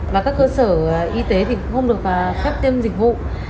và các cơ sở y tế thì không được phép tiêm dịch vụ